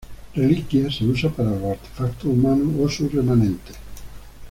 Reliquia se usa para los artefactos humanos o sus remanentes.